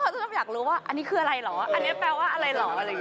เค้าจะต้องยังว่าอันนี้คืออะไรหรออันนี้แปลว่าอะไรหรอ